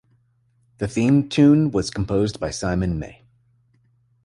The theme tune was composed by Simon May.